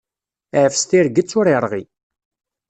Iɛfes tirget ur irɣi.